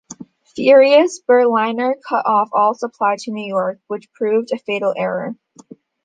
Furious, Berliner cut off all supply to New York, which proved a fatal error.